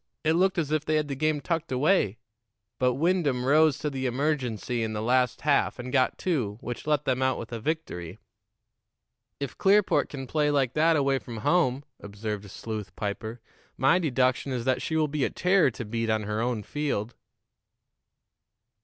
It looked as if they had the game tucked away; but Wyndham rose to the emergency in the last half and got two, which let them out with a victory." "If Clearport can play like that away from home," observed Sleuth Piper, "my deduction is that she will be a terror to beat on her own field."